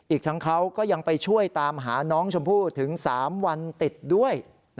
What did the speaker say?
อีกทั้งเขาก็ยังไปช่วยตามหาน้องชมพู่ถึง๓วันติดด้วย